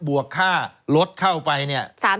เวลาเข้าไปเนี่ย